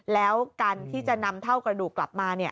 แล้วการที่จะนำเท่ากระดูกกลับมา